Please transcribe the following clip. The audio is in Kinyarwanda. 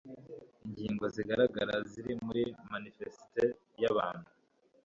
ingingo zigaragara ziri muri manifesite y'abahutu